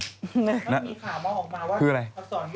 มีข่าวมองออกมาว่าอักษรยอก